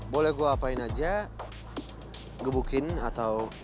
boleh gue apain aja gebukin atau